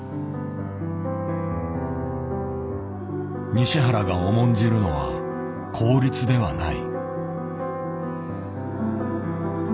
西原が重んじるのは効率ではない。